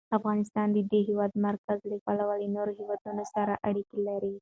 افغانستان د د هېواد مرکز له پلوه له نورو هېوادونو سره اړیکې لري.